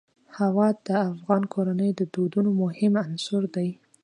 هوا د افغان کورنیو د دودونو مهم عنصر دی.